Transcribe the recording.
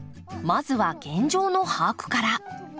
まずは現状の把握から。